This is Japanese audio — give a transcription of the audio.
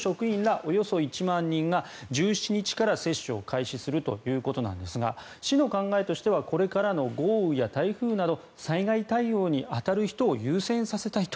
およそ１万人が１７日から接種を開始するということなんですが市の考えとしてはこれからの豪雨や台風など災害対応に当たる人を優先させたいと。